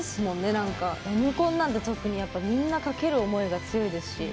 Ｎコンなんてみんなかける思いが強いですし。